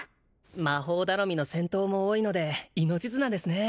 魔法頼みの戦闘も多いので命綱ですね